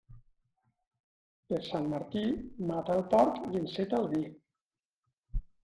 Per Sant Martí, mata el porc i enceta el vi.